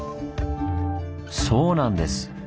そうなんです！